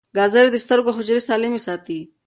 ګازرې د سترګو حجرې سالمې ساتي.